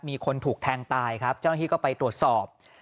มีคนถูกแทงตายครับเจ้าหน้าที่ก็ไปตรวจสอบ